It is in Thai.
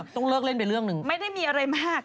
ต้องเลิกเล่นไปเรื่องหนึ่งไม่ได้มีอะไรมาก